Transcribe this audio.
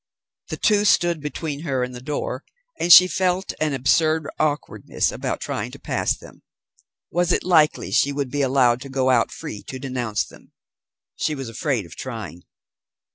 The two stood between her and the door, and she felt an absurd awkwardness about trying to pass them. Was it likely she would be allowed to go out free to denounce them? She was afraid of trying.